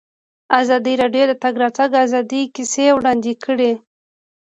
ازادي راډیو د د تګ راتګ ازادي کیسې وړاندې کړي.